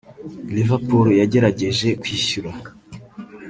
Liverpool yagerageje kwishyura